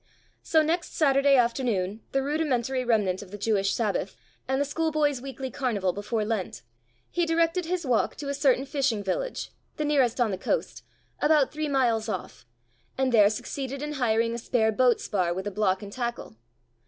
So next Saturday afternoon, the rudimentary remnant of the Jewish Sabbath, and the schoolboy's weekly carnival before Lent, he directed his walk to a certain fishing village, the nearest on the coast, about three miles off, and there succeeded in hiring a spare boat spar with a block and tackle.